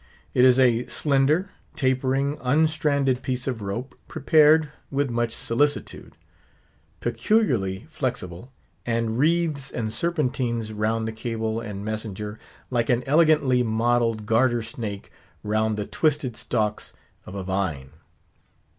It is a slender, tapering, unstranded piece of rope prepared with much solicitude; peculiarly flexible; and wreathes and serpentines round the cable and messenger like an elegantly modeled garter snake round the twisted stalks of a vine.